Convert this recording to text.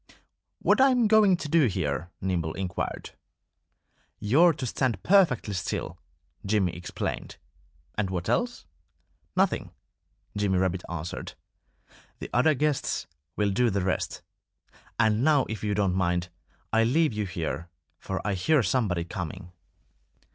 "What am I going to do here?" Nimble inquired. "You're to stand perfectly still," Jimmy explained. "And what else?" "Nothing!" Jimmy Rabbit answered. "The other guests will do the rest.... And now, if you don't mind, I'll leave you here; for I hear somebody coming."